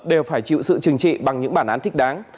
đều phải chịu sự chừng trị bằng những bản án thích đáng